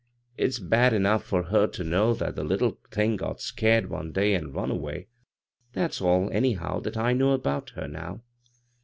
" It's bad enough for her ter know that the little thing got scared one day an' run away— that's all, anyhow, that I know about her now